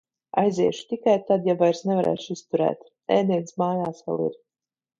Aiziešu tikai tad, ja vairs nevarēšu izturēt. Ēdiens mājās vēl ir.